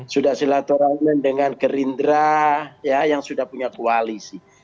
sudah silaturahmi dengan gerindra yang sudah punya koalisi